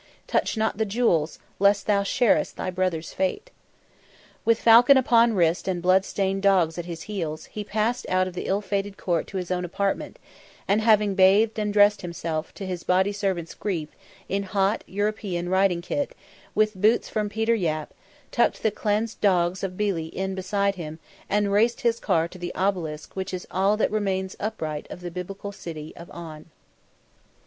Touch not the jewels, lest thou sharest thy brother's fate." With falcon upon wrist and blood stained dogs at his heels, he passed out of the ill fated court to his own apartment, and, having bathed and dressed himself, to his body servant's grief, in hot, European riding kit, with boots from Peter Yapp, tucked the cleansed dogs of Billi in beside him, and raced his car to the Obelisk which is all that remains upright of the Biblical City of On.